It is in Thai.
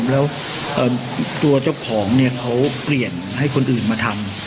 แล้วตัวเจ้าของเนี่ยเขาเปลี่ยนให้คนอื่นมาทำ